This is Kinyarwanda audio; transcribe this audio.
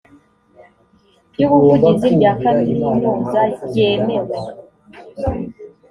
ry ubuvuzi rya kaminuza ryemewe